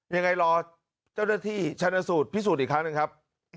ยังไงรอเจ้าหน้าที่ชันสูตรพิสูจน์อีกครั้งหนึ่งครับ